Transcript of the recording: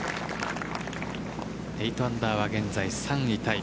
８アンダーは現在３位タイ。